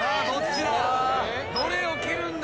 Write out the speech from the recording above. どれを切るんだ？